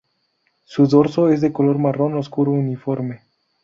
Su dorso es de color marrón oscuro uniforme.